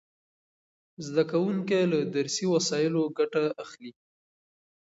زده کوونکي له درسي وسایلو ګټه اخلي.